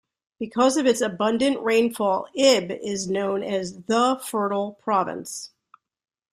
Because of its abundant rainfall, Ibb is known as "the fertile province".